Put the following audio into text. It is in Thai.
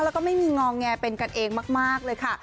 แล้วก็ไม่มีงอแงเป็นกันเองมากเลยค่ะ